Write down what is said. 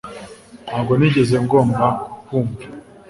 Ntabwo nigeze ngomba kukwumva